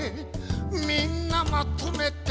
「みんなまとめて魚食え」